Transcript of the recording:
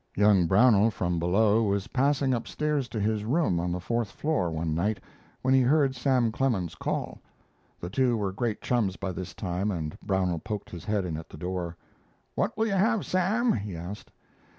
Young Brownell from below was passing upstairs to his room on the fourth floor one night when he heard Sam Clemens call. The two were great chums by this time, and Brownell poked his head in at the door. "What will you have, Sam?" he asked.